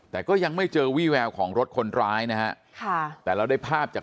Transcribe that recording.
แต่ก็ยังไม่เจอวี่แววของรถคนร้ายนะฮะค่ะแต่เราได้ภาพจาก